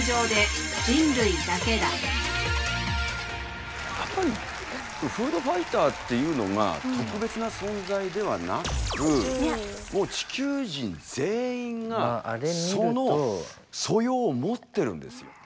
やっぱりフードファイターっていうのが特別な存在ではなくもう地球人全員がその素養を持ってるんですよ。